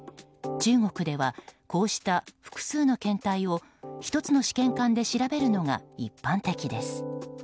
中国では、こうした複数の検体を１つの試験管で調べるのが一般的です。